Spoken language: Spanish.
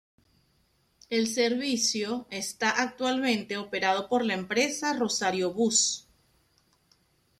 El servicio está actualmente operado por la empresa Rosario Bus.